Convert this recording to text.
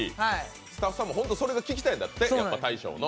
スタッフさんも聴きたいんだって、大昇の。